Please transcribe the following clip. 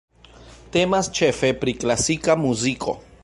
Temas ĉefe pri klasika muziko.